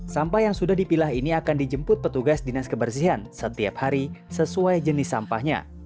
sampah yang sudah dipilah ini akan dijemput petugas dinas kebersihan setiap hari sesuai jenis sampahnya